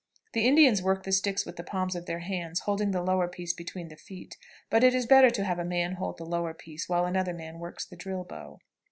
The Indians work the sticks with the palms of the hands, holding the lower piece between the feet; but it is better to have a man to hold the lower piece while another man works the drill bow.